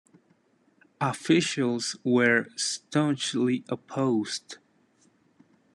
Officials were staunchly opposed.